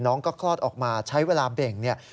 น้องก็คลอดออกมาใช้เวลาเบ่งเนี่ย